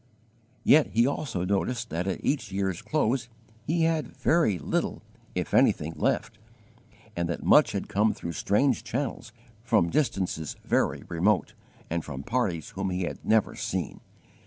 Yet he also noticed that at each year's close he had very little, if anything, left, and that much had come through strange channels, from distances very remote, and from parties whom he had never seen.